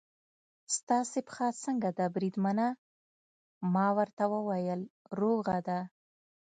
ستاسې پښه څنګه ده بریدمنه؟ ما ورته وویل: روغه ده.